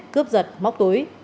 cướp giật móc túi